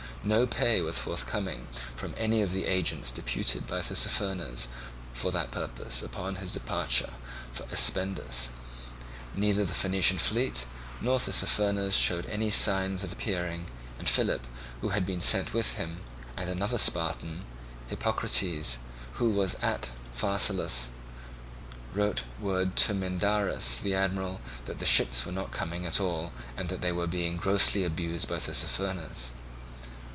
No pay was forthcoming from any of the agents deputed by Tissaphernes for that purpose upon his departure for Aspendus; neither the Phoenician fleet nor Tissaphernes showed any signs of appearing, and Philip, who had been sent with him, and another Spartan, Hippocrates, who was at Phaselis, wrote word to Mindarus, the admiral, that the ships were not coming at all, and that they were being grossly abused by Tissaphernes.